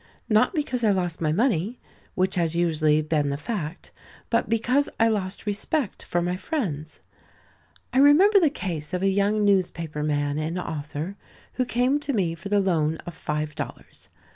Not because I lost my money (which has usually been the fact), but because I lost respect for my friends. I remember the case of a young newspaper man and author, who came to me for the loan of five dollars.